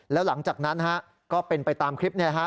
แล้วหลังจากนั้นฮะก็เป็นไปตามคลิปเนี่ยฮะ